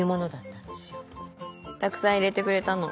たくさん入れてくれたの。